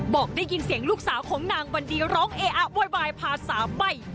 บอกได้ยินเสียงลูกสาวของนางวันดีร้องเออะโวยวายพาสามใบ